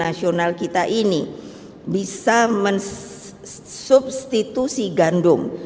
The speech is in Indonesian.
jadi saya berharap bahwa ini bisa dipergunakan untuk menambahkan biaya riset terhadap produk substitusi gandum